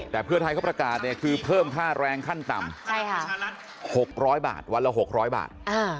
แต่เพื่อไทยเขาประกาศเนี่ยคือเพิ่มค่าแรงขั้นต่ำ๖๐๐บาทวันละ๖๐๐บาท